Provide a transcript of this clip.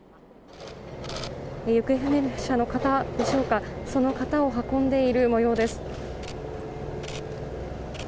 行方不明者の方でしょうか、その方を運んでいるもようです。